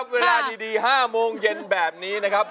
เวลาดี๕โมงเย็นแบบนี้นะครับ